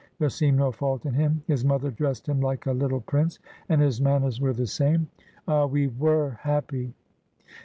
There seemed no fault in him. His mother dressed him like a little prince, and his manners were the same. Ah, we were happy!